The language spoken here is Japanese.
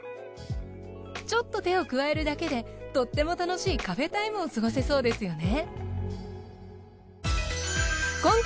ちょっと手を加えるだけでとっても楽しいカフェタイムを過ごせそうですよね。